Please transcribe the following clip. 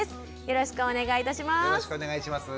よろしくお願いします。